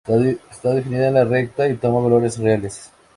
Está definida en la recta y toma valores reales.